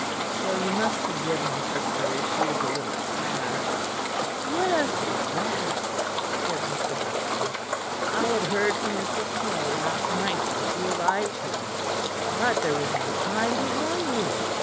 "So you must forgive my sister if she is a little sad." "Yes, yes," said Mr. Buxton, "I had heard from Mrs. Carroll last night when she arrived here. But there was no time to warn you.